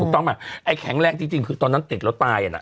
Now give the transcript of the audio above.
ถูกต้องไหมไอ้แข็งแรงจริงคือตอนนั้นติดแล้วตายอ่ะน่ะ